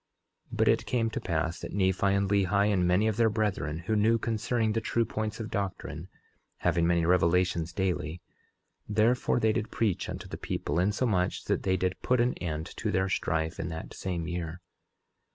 But it came to pass that Nephi and Lehi, and many of their brethren who knew concerning the true points of doctrine, having many revelations daily, therefore they did preach unto the people, insomuch that they did put an end to their strife in that same year.